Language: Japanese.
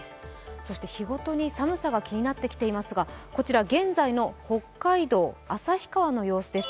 日ごとに寒さが気になってきていますが現在の北海道・旭川の様子です。